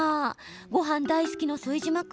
ごはん大好きの副島君